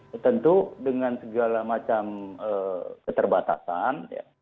ya tentu dengan segala macam keterbatasan